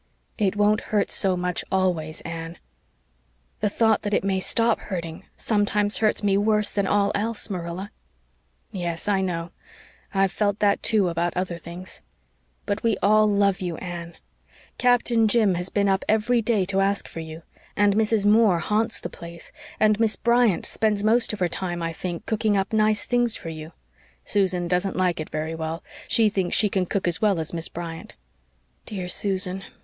"It won't hurt so much always, Anne." "The thought that it may stop hurting sometimes hurts me worse than all else, Marilla." "Yes, I know, I've felt that too, about other things. But we all love you, Anne. Captain Jim has been up every day to ask for you and Mrs. Moore haunts the place and Miss Bryant spends most of her time, I think, cooking up nice things for you. Susan doesn't like it very well. She thinks she can cook as well as Miss Bryant." "Dear Susan!